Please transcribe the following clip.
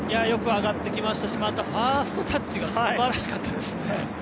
よく上がってきましたしまた、ファーストタッチが素晴らしかったですね。